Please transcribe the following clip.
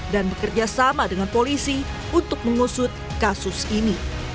dan bekerja sama dengan polisi untuk mengusut kasus ini